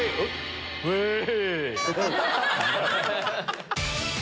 ウェイ！